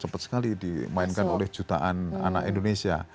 sempat sekali dimainkan oleh jutaan anak indonesia